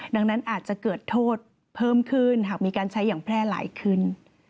ดังนั้นอาจจะเกิดโทษเพิ่มขึ้นหากมีการใช้อย่างแพร่หลายขึ้น